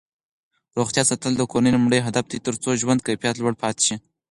روغتیا ساتل د کورنۍ لومړنی هدف دی ترڅو ژوند کیفیت لوړ پاتې شي.